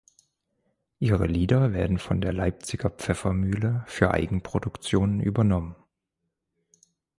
Ihre Lieder werden von der Leipziger Pfeffermühle für Eigenproduktionen übernommen.